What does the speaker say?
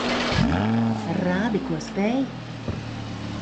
Rādi, ko spēj.